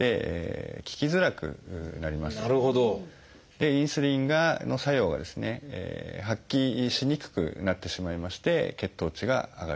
でインスリンの作用がですね発揮しにくくなってしまいまして血糖値が上がると。